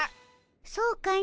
そうかの。